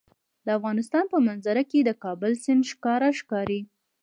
د افغانستان په منظره کې د کابل سیند ښکاره ښکاري.